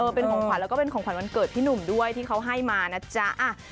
เป็นของขวัญแล้วก็เป็นของขวัญวันเกิดพี่หนุ่มด้วยที่เขาให้มานะจ๊ะ